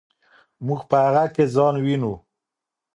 موږ په هغه کې ځان وینو.